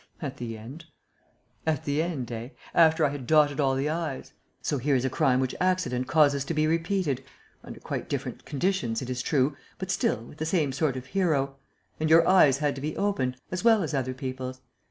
"At the end." "At the end, eh? After I had dotted all the i's. So here is a crime which accident causes to be repeated, under quite different conditions, it is true, but still with the same sort of hero; and your eyes had to be opened, as well as other people's.